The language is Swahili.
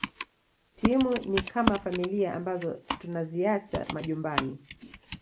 Timu ni kama familia ambazo tunaziacha majumbani